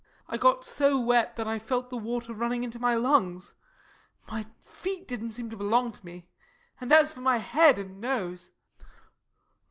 I got so wet that I felt the water running into my lungs my feet didn't seem to belong to me and as for my head and nose!